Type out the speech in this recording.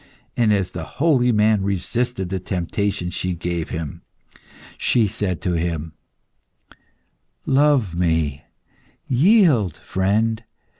And as the holy man resisted the temptations she gave him, she said to him "Love me; yield, friend.